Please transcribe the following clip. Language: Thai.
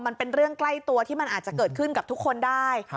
มันเป็นเรื่องใกล้ตัวที่มันอาจจะเกิดขึ้นกับทุกคนได้